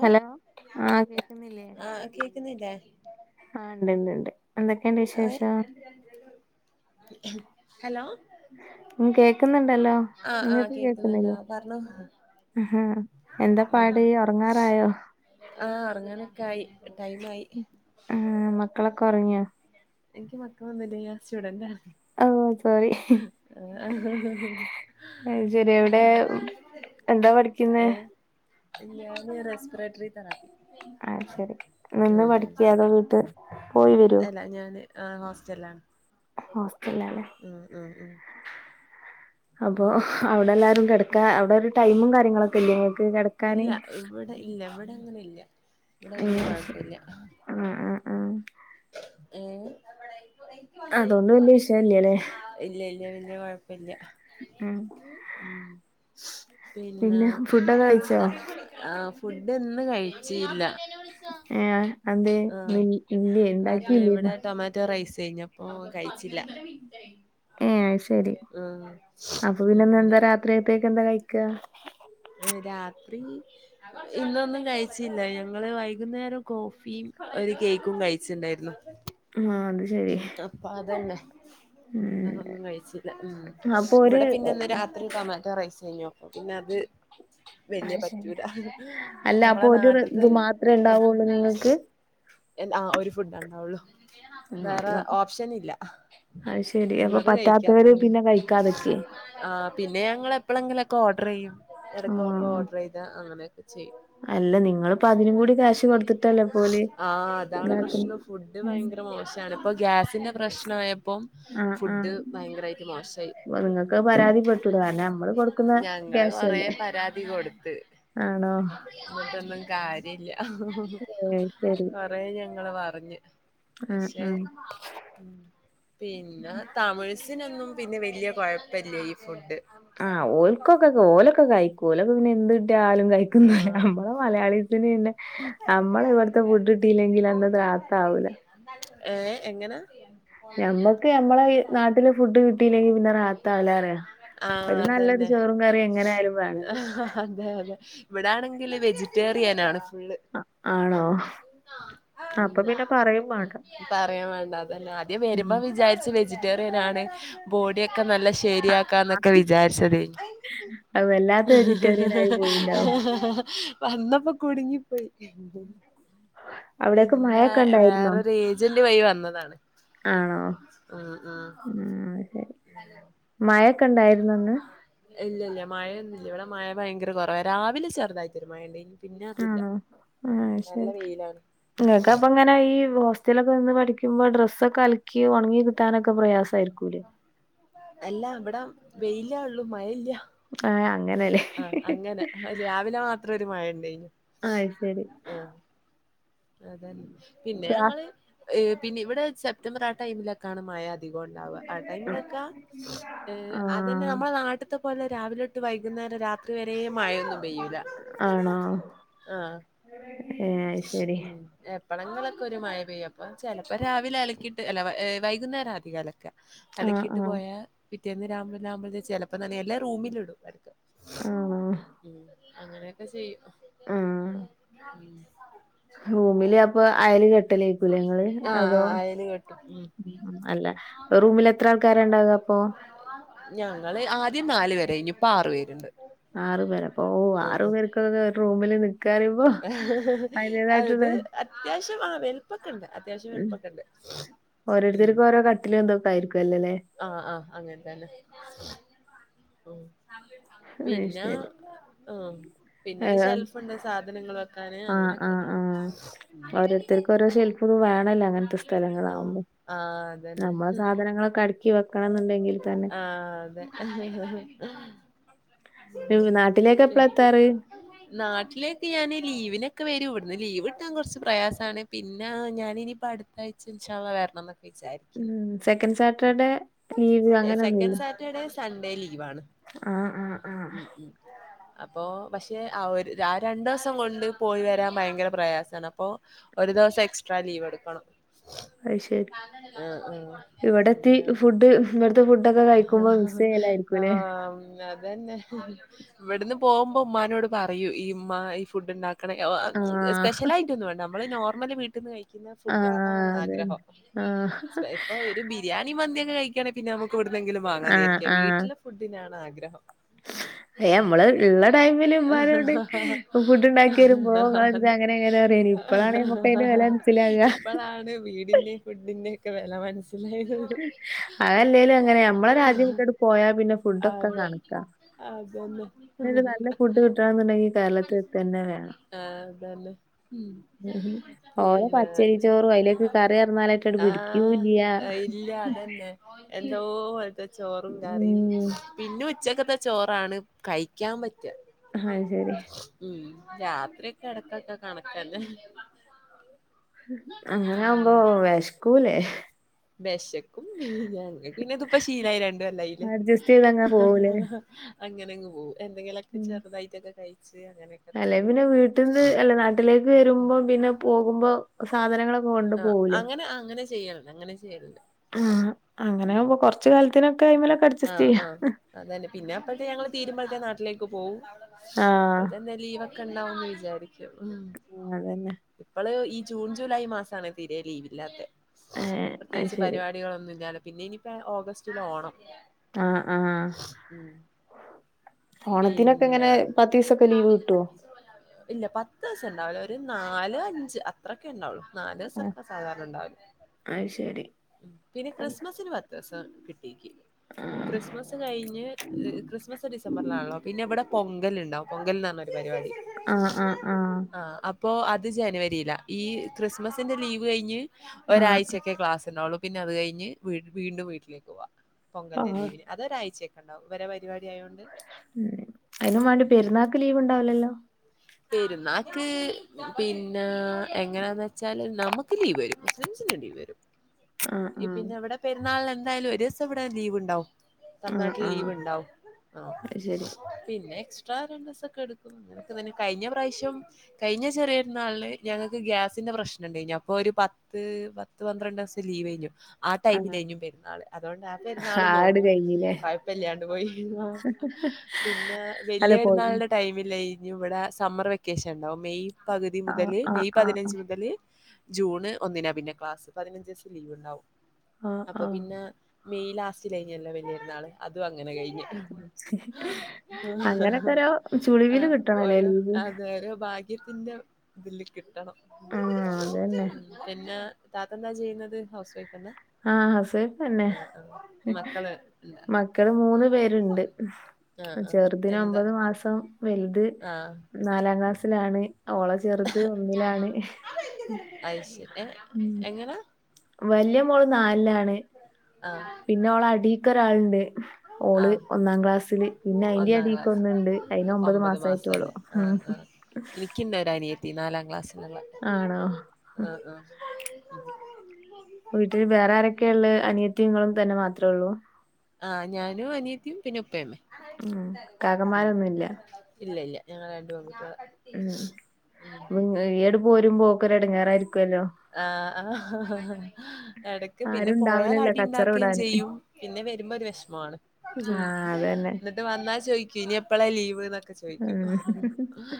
Hello ആഹ് കേൾക്കുന്നില്ലേ ആ കേക്കുന്നില്ലേ ആഹ് ഉണ്ട്ണ്ട് ണ്ട് എന്തൊക്കെണ്ട് [inaudible] ഹലോ കേക്കുന്നുണ്ടല്ലോ ആ ആ നിങ്ങൾക്ക് കേക്കുന്നുണ്ടോ കേക്കുന്നില്ലേ എന്താ പാട് ഉറങ്ങാറായോ ആഹ ഇറങ്ങാനൊക്കെ ആയി ടൈം ആയി ആഹ് മക്കളൊക്കെ ഉറങ്ങിയ എനിക്ക് മക്കൾ ഒന്നുല്ല ഞാൻ സ്റ്റുഡന്റ് ഓ സോറി അത് ശരിയവിടെ എന്താ പഠിക്കുന്നെ ലിയവ് റെസ്പ്രേട്ടറി തപ്പി ആഹ് ശെരി നിന്ന് പഠിക്കതോ വീട്ട് പോയി വരോ അല്ല ഞാന് ആഹ് ഹോസ്റ്റലണ് ഹോസ്റ്റലാണ് ആഹ് ആഹ് ആഹ് അപ്പൊ അവടെ എല്ലാരും കടക്കാ അവടെ ഒരു ടൈമും കാര്യങ്ങളൊക്കെ ഇല്ലേ ങ്ങക്ക് ക ഇല്ല ഇവിടെ ഇല്ല ഇവടെ ങ്ങനെ ഇല്ല ഇവടെ വല്യ അങ്ങനെ ശരി. കൊഴപ്പല്ല്യ. ആഹ് ഹാ ഹാ ഏഹ് അതൊന്നും വല്ല്യ വിഷയല്ലല്ലേ? ഇല്ല ഇല്ല വല്യ കൊഴപ്പല്ല്യ ഉം ഉം. പിന്നെ ഫുഡൊക്കെ കഴിച്ചോ? ആഹ് ഫുഡ് ന്ന് കഴിച്ചില്ല. ഏഹ് അ അതന്തേ ഇ ഇല്ലേ ഇണ്ടാക്കില്ലേനോ? റ്റൊമാറ്റോറൈസ് ഴിഞ്ഞോ? ഓഹ് കഴിച്ചില്ല ഏഹ് അത് ശരി. ആഹ് അപ്പൊ പിന്നെന്ന് അങ്ങനെ. എന്താ [unintelligible] എന്താ കഴിക്ക? ഏഹ് രാത്രി ഇന്നൊന്നും കഴിച്ചില്ല ഞങ്ങള് വൈകുന്നേരം കോഫിം ഒരു കേക്കും കഴിച്ചിണ്ടായിരുന്നു. ആഹ് തെ അപ്പ അതന്നെ ഉം അതൊന്നും കഴിച്ചില്ല ഉം അപ്പൊ ഒരു ഇവടെ പിന്നെ ന്ന് രാ ടൊമാറ്റോ റൈസനോ പ്പോ പിന്നെ അത്. അത് വല്യേ ശരി. പറ്റൂല അല്ല നമ്മളെ അപ്പൊ ഒരു നാട്ട്ത്തെ ഇത് മാത്രേ ഇണ്ടാവൊള്ളൂ നിങ്ങക്ക്? എന്ത്‌ ആഹ് ഒരു ഫുഡാണ്ടാവുള്ളു. ആഹ് വേറെ ഓപ്ഷന് ഇല്ല അത് ശരി. അപ്പൊ ള്ളത് കഴിക്ക്യാ പറ്റാത്തവര് അത്രെന്നെ. പിന്നെ കഴിക്കാതെക്കെ? ആ പിന്നെ ഞങ്ങൾ എപ്പളെങ്കിലൊക്കെ ഓഡ്രയ്യും എടക്കൊക്കെ ആഹ് ഓഡ്രെയ്താ അങ്ങനൊക്കെ ചെയ്യും. അല്ല നിങ്ങളിപ്പ അതിനും കൂടി ക്യാഷ് കൊടുത്തിട്ടല്ലേ ഇപ്പോല് ആഹ് അതാണ് ഇതാക്കുന്നെ. പ്രശ്നം ഫുഡ് ഭയങ്കര മോ ഇപ്പ ഗ്യാസിന്റെ പ്രശ്ന ആയപ്പോം ഫുഡ് ഭയങ്കരായിട്ട് മോശായി. പ്പ നിങ്ങക്ക് അഹ് പരാതിപ്പെട്ടൂടെ? കാരണം മ്മള് കൊടുക്കുന്ന ഞങ്ങള് കൊറേ ക്യാഷല്ലേ. ആണോ? ന്നട്ടൊന്നും കാര്യല്ല ഏയ് ശരി. കൊറെേ ഞങ്ങള് പറഞ്ഞ് ആ ആ. ഏഹ് പിന്ന താമിഴ്സിനൊന്നും പിന്നെ വല്ല്യ കൊഴപ്പല്ല്യ ഈ ഫുഡ്. ആഹ് ഓൽക്കൊക്കെ ഓലൊക്കെ കഴിക്കു ഓലൊക്കെ പിന്നെ എന്ത്‌ കിട്ടിയാലും കഴിക്കുന്നോല. ആഹ് നമ്മളെ മലയാളീസിന് പിന്നെ നമ്മളവ്ട്ത്തെ ഫുഡ് ട്ടീല്ലെങ്കിലന്ന് റാഹതാവൂല. ഏല്ലേ എങ്ങന? ഞമ്മക്ക് ഞമ്മളെ ഇ നാട്ടിലെ ഫുഡ് കിട്ടില്ലെങ്കി പിന്നെ റാഹത്താവൂല റ്യ. ആഹ് ഒരു നല്ലൊരു അതന്നെ ചോറും കറിം എങ്ങനെ ആയാലും വേണല്ലോ. അതെ അതെ ഇവടെ ആണെങ്കിൽ വെജിറ്റേറിയനാണ് ഫുള്ള്. ആണോ? അപ്പ പിന്നെ പറയും മാണ്ട. പറയും വേണ്ട അതന്നെ. ആദ്യം വരുമ്പോ വിചാരിച്ചു വെജിറ്റേറിയനാണ് ബോഡിയൊക്കെ നല്ല ഷേ ശരിയാക്കാ ന്നക്കെ വിചാരിച്ചതേനി. അത് വല്ലാത്ത ഹ് ഹ് ഹ് ഹ് വെജിറ്റേറിയൻ ഹ് ആയി ഹാ പോയിണ്ടാവും. ഹാ ഹാ ഹാ ഹാ വന്നപ്പോ കുടുങ്ങിപ്പോയി അവിടെയൊക്കെ പിന്നെ മഴയൊക്കെ ഉണ്ടായിരുന്നോ? വേറൊരു ഏരി ജല്ലിവയി വന്നതാണ് ആണോ? ആഹ് ആഹ്. മഴക്കണ്ടായിരുന്നോ ന്ന്? ഇല്ലല്ല്യാ മഴയൊന്നുല്ല്യ ഇവിടെ മഴ ഭയങ്കര കൊറവ രാവിലെ ചെറുതായിറ്റൊരു മഴണ്ടേനി. പിന്നെ അതില്ല ആണോ ആ ഉം നല്ല ശരി വെയിലാണ് ങ്ങക്ക് അപ്പ ങ്ങനെ ഈ വോ റ്റ്ലൊക്കെ നിന്ന് പഠിക്ക്മ്പോ ഡ്രസ്സൊക്കെ അലക്കി ഒൺങ്ങി കിട്ടാനൊക്കെ പ്രയാസ ആയിരിക്കൂലേ? അല്ല ഇവിട വെയിലാള്ളു മഴല്ല്യ. ആഹ് ഏ അങ്ങനെല്ലേ? ആ അങ്ങനെ രാവിലെ മാത്രരു മഴ ണ്ടേനി അയ് ശരി ആഹ്. അതന്നെ പിന്നെ ക്ലാ ഞങ്ങള് ഹ് പിന്നെ ഇവിടെ സെപ്റ്റംബർ ആ ടൈമില. ക്കാണ് മയ അധികോണ്ടാവ, ആ ടൈമിലൊക്കെ ഏഹ് അതന്നെ ആഹ് നമ്മളെ നാട്ട്ത്തെ പോലെ രാവിലൊട്ട് വൈകുന്നേരം രാത് ഇത് വരെ മഴൊന്നും പെയ്യൂല ആണോ ആഹ് ഏഹ് അഹ് ശെരി എപ്പളങ്ങലൊക്കെ ഒരു മഴ പെയ്യുപ്പം ചെലപ്പം രാവിലെ അലക്കിയിട്ട് അല്ല വൈകുന്നേരം അധികലക്ക ആഹ് അലക്കിട്ട് ആഹ് പോയാ പിറ്റേന്ന് രാമ് ലാമ്പല് ചെലപ്പം നനയല്ലേ റൂമിലിടും എടക്ക് ആണോ ഉം അങ്ങനെയൊക്കെ ചെയ്യും ആഹ് പിന്നെ റൂമില് അപ്പൊ അയല് കെട്ടലേക്കുലെ ങ്ങള് ആഹ് അതോ? ആഹ് അയല് കെട്ടും ഉം ഉം അല്ല ഒറൂമിൽ എത്ര ആൾക്കാരണ്ടാക അപ്പൊ? ഞങ്ങള് ആദ്യം നാല് പേരായ്ഞ്ഞു ഇപ്പൊ ആറു പേരുണ്ട്. ആറ് പേരപ്പോ ഓ ഉം ആറു പേർകൊക്കെ ഒരു റൂമില് നിക്കാറിം ഹ് ഹ് ഹ് അത് അത്യാവശ്യം ആ വെലുപ്പക്കണ്ട് അത്യാവശ്യം വെലുപ്പക്കണ്ട് ഓരോരുത്തര്ക്കും ഓരോ കട്ടിലും തൊക്കെ ആയിരിക്കൊല്ലലെ ആഹ് ആഹ് അങ്ങൻ തന്നെ അയ് പിന്ന ശരി ആഹ് പിന്നെരു ഏഹ് ഷെൽഫ്ണ്ട് സാ ധനങ്ങള് വെക്കാന് ആഹ് അങ്ങനൊക്കെ ആഹ് ആഹ് ഓരോരുത്തർക്ക് ഓരോ ഷെൽഫ് വേണല്ലോ അങ്ങനത്തെ ആഹ് സ്ഥലങ്ങളാവുമ്പോ ആഹ് അതന്നെ നമ്മളെ സാധനങ്ങളൊക്കെ അടുക്കി വെക്കണം എന്നുണ്ടെങ്കിൽ തന്നെ ആഹ് അതെ [unintelligible] നാട്ടിലേക്ക് എപ്പള എത്താറ് നാട്ടിലേക്ക് ഞാന് ലീവിനൊക്കെ വരും ഇവിടന്ന് ലീവ് കിട്ടാൻ കൊറച്ച് പ്രയാസണ് പിന്നെ ഞാനിനിപ്പം അടുത്ത ആഴ്ച ഇൻശാ അല്ലാഹ് വരണം എന്നൊക്കെ വിചാരിക്കുന്നു ഉം സെക്കൻഡ് സാറ്റർഡേ ലീവ് ഉം സെക്കൻഡ് അങ്ങനൊന്നുല്ലേ സാറ്റർഡേ സൺഡേ ലീവാണ് ആഹ് ആഹ് ആഹ് ഉം ഉം അപ്പോ പക്ഷെ ആ ഒരു ആ രണ്ടു ദിവസം കൊണ്ട് പോയി വരാൻ ഭയങ്കര പ്രയാസണ് അപ്പോ ഒരു ദിവസം എക്സ്ട്രാ ലീവ് എടുക്കണം അത് ശരി ആഹ് ആഹ് ഇവിടെത്തി അങ്ങനാണ് ഫുഡ് ഇവിടുത്തെ ഫുഡൊക്കെ കഴിക്കുമ്പോ മിസ് ചെയ്യലായിരിക്കുംല്ലേ ആഹ് മ് അതന്നെ ഇവടുന്ന് പോവുമ്പം ഉമ്മാനോട് പറയും ഈ ഉമ്മാ ഈ ഫുഡ് ഉണ്ടാ ക്കണം ആഹ് സ്പെഷ്യലായിട്ടൊന്നും വേണ്ട നമ്മള് നോർമല് വീട്ടിൽ നിന്ന് കഴിക്കുന്ന ഫുഡ് ആഹ് അതാണ് ആഗ്രഹം അതന്നെ ആഹ് സ്പെ- ഇപ്പൊ ഒരു ബിരിയാണി മന്തി ഒക്കെ കഴിക്കാണെങ്കി പിന്നേ നമ്മക്ക് ഇവിടെന്നെങ്കിലും ആഹ് വാങ്ങാന്നിരിക്കാം ആഹ് വീട്ടിലെ ഫുഡിനാണ് ആഗ്രഹം അയ്യ നമ്മള് ഇള്ള ടൈമില് ഇമ്മാനോട് ഫുഡ് ഉണ്ടാക്കി വരുമ്പോ ഇങ്ങളെടുത്ത് അങ്ങനെ ഇങ്ങനെ പറയേനി ഇപ്പളാണ് നമ്മക്ക് അതിന്റെ വില മനസ്സിലാക ഇപ്പളാണ് വീടിന്റെ ഫുഡിന്റെ ഒക്കെ വെല മനസ് സ്സിലായത് അതല്ലേലും അങ്ങനെ നമ്മളെ രാജ്യം വിട്ടിട്ട് പോയാ പിന്നെ ഫുഡൊക്കെ അതെ അതന്നെ പിന്നെരു നല്ല ഫുഡ് കിട്ടണോന്നുണ്ടെങ്കി ക ആഹ് അതന്നെ ഉം ഉം. ഓരോ പിന്നെ പച്ചരി ചോറും അയിലേക്ക് കറി പറഞ്ഞാലായിട്ടങ്ങട് ആഹ് പിടിക്കൂല്യ. ഇല്ല അതന്നെ എന്തോ പോൽത്തെ ചോറും കറിയും ഉം പിന്നെ ഉച്ചക്കത്തെ ചോറാണ് കഴിക്കാൻ പറ്റ അഹ് ശരി ഉം രാത്രി ഒക്കെ എടക്കൊക്കെ കണക്കന്നെ അങ്ങനവുമ്പോ വെശക്കൂലേ വെശക്കും [unintelligible] ഞങ്ങൾക്ക്ന്നെ ഇതിപ്പ ശീലയി രണ്ട് കൊല്ലായില്ലേ അഡ്ജസ്റ്റ് ചെയ്തങ്ങനെ പോവൂലേ? അങ്ങനെങ്ങ് പോകും എന്തെങ്കിലൊക്കെ ഉം ചെറുതായിട്ടൊക്കെ കഴിച്ച് അങ്ങനൊക്കെ അല്ലെ പിന്നെ വീട്ടിൽന്ന് അല്ലെ നാട്ടിലേക്ക് വരുമ്പോ പിന്നെ പോകുമ്പോ സാധനങ്ങളൊക്കെ കൊണ്ടു ആഹ് അങ്ങനെ അങ്ങനെ ചെയ്യ അങ്ങനെ ചെയ്യലുണ്ട് ആഹ് അങ്ങനെ ഉം ആവുമ്പൊ കൊറച്ച് കാലത്തിനൊക്കെ അയ്മ്മലൊക്കെ ആഹ് ആഹ് അതന്നെ പിന്നെ അപ്പഴത്തെ ഞങ്ങള് തീരുമ്പഴത്തെ നാട്ടിലേക്ക് പോവും ആഹ് അപ്പൊ തന്നെ ലീവൊക്കെ ഉണ്ടാവുന്ന് വിചാരിക്കും അതന്നെ ഇപ്പള് ഈ ജൂൺ ജൂലൈ മാസണ് തിരെ ലീവില്ലാത്തെ ഏഹ് അത് പ്രത്യേകിച്ച് ശരി. പരിപാടികളൊന്നുല്ലാലോ പിന്നെ ഇനിയിപ്പോ ഓഗസ്റ്റില ഓണം ആഹ് ആഹ് ഉമ് ഓണത്തിനൊക്കെ എങ്ങനെ പത്തീസൊക്കെ ലീവ് കിട്ടോ ഇല്ല പത്ത്സം ഉണ്ടാവുല ഒരു നാല് അഞ്ച് അ ത്രൊക്കെ ഉണ്ടാവുള്ളു നാല് ദിവസൊക്കെ സാധാരണ ഉണ്ടാവല് അഹ് ശരി ഉമ് പിന്നെ ക്രിസ്മസിന് പത്ത് ദിവസം കിട്ടിക്ക് ആഹ് ക്രിസ്മസ് കഴിഞ്ഞ് ക്രിസ്മസ് ഡിസംബറിലാണല്ലോ പിന്നെ ഇവിടെ പൊങ്കലുണ്ടാവും പൊങ്കൽ ന്ന് പറഞ്ഞൊരു പരിപാടി ആഹ് ആഹ് ആഹ് പ്പോ അത് ജനുവരീല ഈ ക്രിസ്മസിന്റെ ലീവഴിഞ്ഞ് ആഹ് ഒരാഴ്ചക്കെ ക്ലാസ് ഇണ്ടാവുള്ളു പിന്നെ അത് കഴിഞ് വീട് വീണ്ടും വീട്ടിലേക്കവാം പൊങ്കല്ലെ ആഹ് ലീവിന് അതൊരാഴ്ചക്കെ ഇണ്ടാവും ഇവരെ പരിവാടി ആയോണ്ട് മ് ക്ക് ലീവ് ഇണ്ടാവുലല്ലോ പെരുന്നാക്ക് പിന്നെ എങ്ങനാന്ന് വെച്ചാല് നമക്ക് ലീവരും റൈഞ്ചിനേണ്ടി വരും ആഹ് ആഹ് പിന്നെ ഇവ്ടെ പെരുന്നാള്ൻ എന്തായാലും ഒരുസം ഇവടെ ലീവ് ഇണ്ടാവും ആഹ് തമ്നാട്ടിൽ ആഹ് ലീവ് ഇണ്ടാവും ആഹ് അത് ശരി പിന്നെ എക്സ്ട്രാ രണ്ടിസൊക്കെ എട്ക്കും അങ്ങനക്കെ തന്നെ കഴിഞ്ഞ പ്രാവ്ശ്യം കഴിഞ്ഞ ചെറിയ പെര്ന്നാള്ൻ ഞങ്ങൾക്ക് ഗ്യാസിന്റെ പ്രശ്ന ഇണ്ടെനീ അപ്പോ ഒരു പത്ത ത് പത്ത് പന്ത്രണ്ടിസം ലീവഴിഞ്ഞു ആഹ് ടൈമിലേയിനു പെരുന്നാള് അതോണ്ട് ആ പെരുന്നാള് ആട് നോമ്പും കഴിഞ്ഞില്ലേ കൊഴപ്പല്ലാണ്ട് പോയി പിന്നെ അല്ല വല്ല്യ പോയി പെര്ന്നാള്ണ്ടെ ടൈമില്ലയ് ഇവ്ടെ സമ്മർ വെക്കേഷൻണ്ടാവും മെയ് പകുതി ആഹ് മുതല് ആഹ് മെയ് ആഹ് പതിനഞ്ച് മുതല് ജൂണ് ഒന്നിനാ പിന്നെ ക്ലാസ് പതിനഞ്ചിസം ലീവ് ണ്ടാവും ആഹ് അപ്പൊ ആഹ് പിന്നെ മെയ് ലാസ്റ്റിലേനല്ലോ വലിയ പെര്ന്നാള് അതും അങ്ങനെ കഴിഞ്ഞ് അങ്ങനൊക്കെ ഓരോ ചുളിവില് ആഹ് കിട്ടണല്ലേ ഒരോ ലീവ് തരു ഭാഗ്യത്തിന്റെ തില് കിട്ടണം ആഹ് അതന്നെ പിന്നെ താത്ത ന്താ ചെയന്നത് ഹൗസ് വൈഫ്ന്നെ ആഹ് ഹൗസ് വയ്ഫന്നെ മക്കള് ഇണ്ട മക്കള് മൂന്ന് പേര്ണ്ട് ആ ആ ചെർതിന് എന്താ ഒമ്പത് മാസം വലുത് ആ നാലാം ക്ലാസ്സിലാണ് ഓളെ ചെർത് ഒന്നിലാണ് അയ്ശരി ഏ ഉമ് എങ്ങനെ വല്യ മോള് നാൽലാണ് ആ പിന്നെ ഓളെ അടിക്കൊരാൾണ്ട് ആ ഓള് ഒന്നാം ക്ലാസ്സില് പിന്നെ അയിന്റെ ഒന്നാം ക്ലാസ് അടിക്കൊന്ന്ണ്ട് അയിന് ഒമ്പത് മാസം ആയിട്ടൊളൂ ഉമ് ഇനിക്ക് ണ്ടൊരു അനിയത്തി നാലാം ക്ലാസ്സ് ല്ള്ള ആണോ ആണോ വീട്ടിൽ വേറെ ആരൊക്കെള്ളെ അനിയത്തിങ്ങളും തന്നെ മാത്ര ഒള്ളൂ ഞാനും അനിയത്തി പിന്നേ ഉപ്പയെന്നു ഉം. കാക്കമാരൊന്നുമില്ല [unintelligible] ഉമ് വ്ങ്ങ ഈയണ്ട് പോരുമ്പം ഓക്കൊരു എടങ്ങാറായിരിക്കുല്ലോ ആഹ് ആഹ് എടക്ക് പിന്നെ ആരും പോയാൽ ഉണ്ടാവില്ലല്ലോ അടി കച്ചറ ണ്ടാക്കെയും വിടാന് ചെയ്യും പിന്നെ വരുമ്പോ ഒരു വെഷമുവാണ് ആ അതന്നെ ന്നിട്ട് വന്നാ ചോയിക്കും ഇനി എപ്പളാ ലീവ് ന്നക്കെ ചോയിക്കും ഉം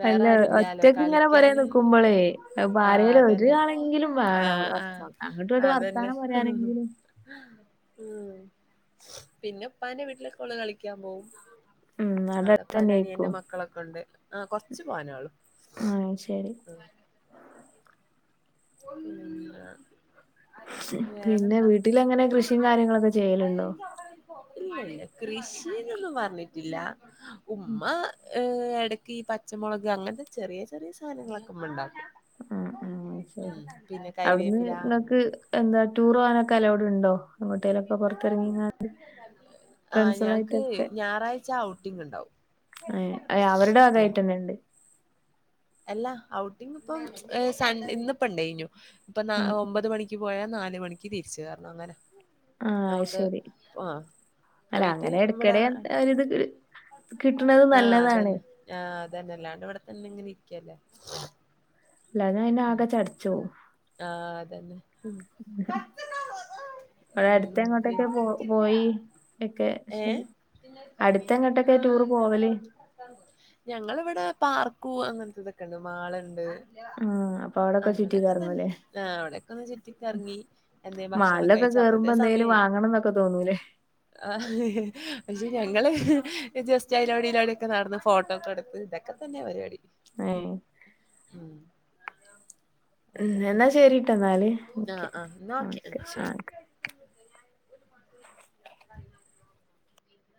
വേറെ അല്ല ആരുല്ലാലോ ഒറ്റക്ക് ഇങ്ങനെ പുരേ കളിക്കാന് നിക്കുമ്പോഴേ അപ്പൊ ആഹ് ആരേലും അതന്നെ ഒരാളെങ്കിലും ആ വേണം ആഹ് വർത്താനം അങ്ങോട്ടും ഇങ്ങോട്ട് അതന്നെ വർത്താനം ഉം പറയാനെങ്കിലും പിന്നെ ഉപ്പാന്റെ വീട്ടിലൊക്കെ ഓള് കളിക്കാൻ പോവും ഉം അവിടെ അവ്ടെ തന്നെ ഉപ്പാന്റെ ആയിരിക്കും അനിയന്റെ മക്കളൊക്കെണ്ട് ആ കൊർച്ചു പോവാനെള്ളൂ ആഹ് ശെരി [unintelligible] ഉം [unintelligible] പിന്നെ വീട്ടിലങ്ങനെ കൃഷിയും കാര്യങ്ങളൊക്കെ ചെയ്യലുണ്ടോ ഇല്ലില്ല കൃഷിന്നൊന്നും പറഞ്ഞിട്ടില്ല ഉം, ഉമ്മ ഏഹ് എടക്ക് പച്ച മൊളക് അങ്ങനത്തെ ചെറിയ ചെറിയ സാനങ്ങളൊക്കെമ്മണ്ടാക്കും ആഹ് ആഹ് ശെരി അവിട്ന്ന് കരിവേപ്പില ങ്ങക്ക് അങ്ങനത്തൊക്കെ എന്താ ടൂറോവനൊക്കെ അലൗവ്ട് ഉണ്ടോ എങ്ങോട്ടെലൊക്കെ പൊറത്തിറങ്ങിയാണ്ട് ഫ്രണ്ട്സ്കളായിട്ടൊക്കെ ഞായറാഴ്ച്ച ഔട്ടിംഗ് ഇണ്ടാവും ഏഹ് അഹ് അവരുടെ വകായ്ട്ടെന്നെ ഇണ്ട്. അല്ല ഔട്ടിങ്ങ് ഇപ്പം ഏഹ് സൺഡേ ഇന്ന്പ്പണ്ടേന്യു ഇപ്പൊ നാ ആ ഒമ്പത് മണിക്ക്. ക്ക് പോയാൽ നാല് മണിക്ക് തിരിച്ച് കേറണം അങ്ങനെ ആ, നമുക്ക് ശരി ആഹ് അല്ല പൊയ്ട്ട് അങ്ങനെ ഇവിടെ ഇടയ്ക്കിടെ ഒരു ഇത് കിട്ടുന്നത് ആ നല്ലതാണ് അതന്നെ. ആഹ് അതന്നെ അല്ലാണ്ട് ഇവ്ടെ തന്നെ ഇങ്ങനെ ഇരിക്കല്ലേ. അല്ലാഞ്ഞ പിന്നെ ഉം ആകെ ചടച്ചോവും. ആഹ് അതന്നെ. ഉം ഇവിടെ അടുത്ത് ഓക്കെ എങ്ങോട്ടൊക്കെ പോ പോയി ഒക്കെ ഏഹ് അടുത്ത് എങ്ങോട്ടൊക്കെ ടൂർ പോവല് ഞങ്ങളിവിടെ പാർക്കും അങ്ങൻത്തതൊക്കെണ്ട് മാള്ണ്ട് ആ അപ്പൊ അവിടൊക്കെ ചുറ്റി അങ്ങനൊക്കെ തന്നെ. കറങ്ങൂലേ ആ അവിടെക്കൊന്ന് ചുറ്റിക്കർങ്ങി എന്തേ ഭക്ഷണം മാളിലൊക്കെ കഴിച്ച് കേറുമ്പോ അപ്പത്തെ എന്തെങ്കിലും സമയായി വാങ്ങണം എന്നൊക്കെ തോന്നൂലേ ആ പക്ഷേ ഞങ്ങള് ജസ്റ്റ് അയ്ലോടി ഇയ്ലോടിയൊക്കെ നടന്ന് ഫോട്ടോക്കെട്ത്ത് ഇതൊക് ക്കെ തന്നെ പരിവാടി. ഏഹ് ഉം ഉം അതന്നെ എന്നാ ശരിട്ടന്നാല് ഒക്കെ ആഹ് ആഹ് എന്നാ ഓക്കെ ഓക്കേ ശരി ആ ഓക്കെ